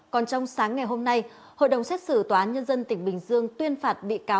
còn trong sáng ngày hôm nay hội đồng xét xử tòa án nhân dân tỉnh bình dương tuyên phạt bị cáo